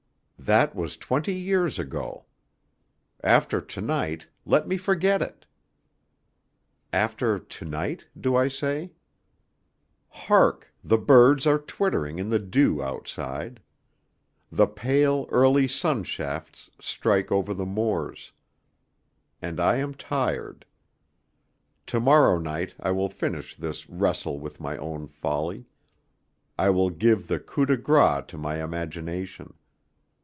That was twenty years ago. After to night let me forget it. After to night, do I say? Hark! the birds are twittering in the dew outside. The pale, early sun shafts strike over the moors. And I am tired. To morrow night I will finish this wrestle with my own folly; I will give the coup de grâce to my imagination..